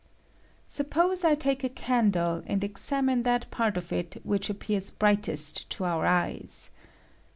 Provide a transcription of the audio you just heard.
Suppose I take a candle and esamine that part of it which appears brightest to our eyes.